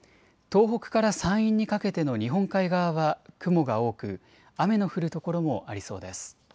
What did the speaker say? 東北から山陰にかけての日本海側は雲が多く雨の降る所もありそうです。